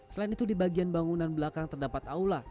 selain itu di bagian bangunan belakang terdapat aula